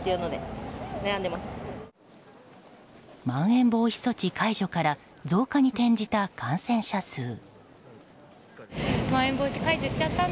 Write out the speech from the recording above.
まん延防止措置解除から増加に転じた感染者数。